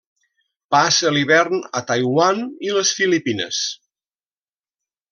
Passa l'hivern a Taiwan i les Filipines.